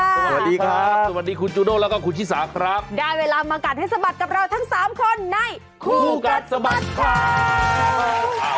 สวัสดีครับสวัสดีทั้ง๒หนุ่มค่ะสวัสดีครับคุณจูโน่แล้วก็คุณชิสาครับได้เวลามากันให้สบัดกับเราทั้ง๓คนในคุกัสสบัดข่าว